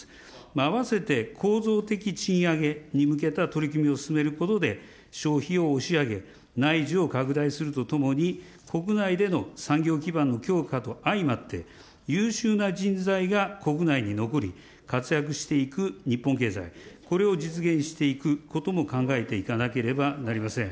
あわせて構造的賃上げに向けた取り組みを進めることで、消費を押し上げ、内需を拡大するとともに、国内での産業基盤の強化と相まって、優秀な人材が国内に残り、活躍していく日本経済、これを実現していくことも考えていかなければなりません。